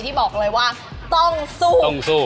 ที่บอกเลยว่าต้องสู้